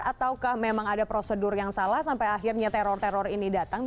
ataukah memang ada prosedur yang salah sampai akhirnya teror teror ini datang